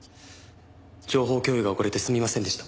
情報共有が遅れてすみませんでした。